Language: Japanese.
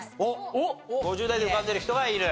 ５０代で浮かんでる人がいる？